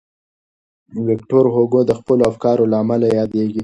ویکټور هوګو د خپلو افکارو له امله یادېږي.